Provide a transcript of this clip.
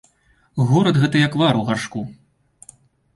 Горад, гэта як вар у гаршку.